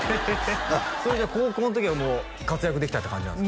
それじゃあ高校の時はもう活躍できたって感じなんですか？